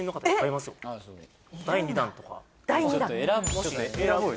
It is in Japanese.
第２弾ちょっと選ぼうよ